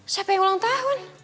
siapa yang ulang tahun